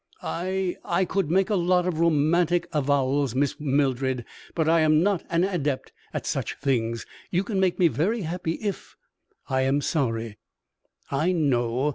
I I could make a lot of romantic avowals, Miss Mildred, but I am not an adept at such things. You can make me very happy if " "I am sorry " "I know.